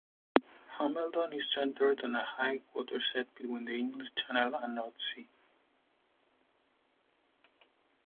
Hambledon is centred on a high watershed between the English Channel and North Sea.